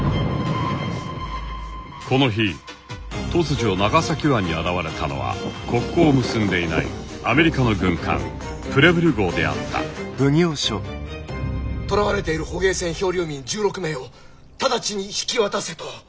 この日突如長崎湾に現れたのは国交を結んでいないアメリカの軍艦プレブル号であったとらわれている捕鯨船漂流民１６名を直ちに引き渡せと。